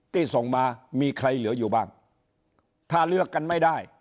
ที่ส่งมามีใครเหลืออยู่บ้างถ้าเลือกกันไม่ได้